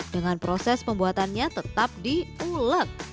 dengan proses pembuatannya tetap di uleg